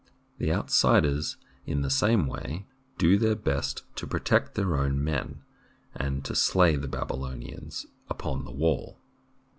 The outsiders in the same way do their best to protect their own men and to slay the Babylonians upon the walls.